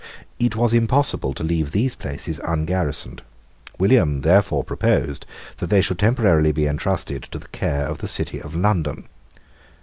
It was impossible to leave these places ungarrisoned. William therefore proposed that they should be temporarily entrusted to the care of the City of London.